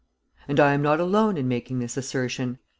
And I am not alone in making this assertion.